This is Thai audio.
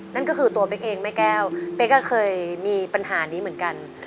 นั่นก็คือตัวเป๊กเองแม่แก้วเป๊กก็เคยมีปัญหานี้เหมือนกัน